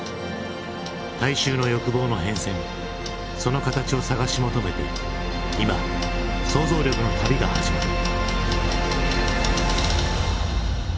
大衆の欲望の変遷その形を探し求めて今想像力の旅が始まる。